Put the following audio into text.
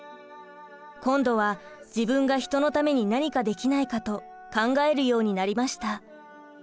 今度は自分が人のために何かできないかと考えるようになりました。